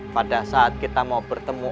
pada saat kita mau bertemu